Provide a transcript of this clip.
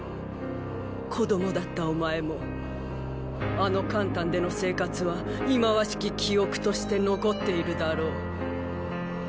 子供だったお前もあの邯鄲での生活は忌まわしき記憶として残っているだろう。